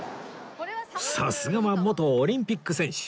さすがは元オリンピック選手